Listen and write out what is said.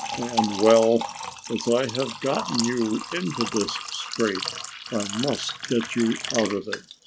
And, well, as I have gotten you into this scrape I must get you out of it."